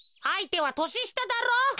あいてはとししただろ。